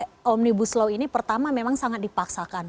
karena memang ini omnibus law ini pertama memang sangat dipaksakan